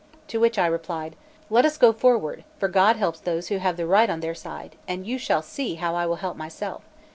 To which I replied: "Let us go forward, for God helps those who have the right on their side; and you shall see how I will help myself.